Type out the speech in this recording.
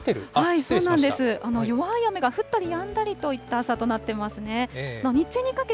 そうなんです、弱い雨が降ったりやんだりといった朝となっています。